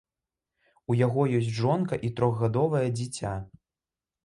У яго ёсць жонка і трохгадовае дзіця.